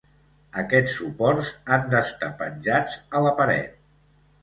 Aquests suports han d'estar penjats a la paret.